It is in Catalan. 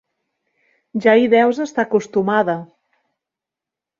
Ja hi deus estar acostumada.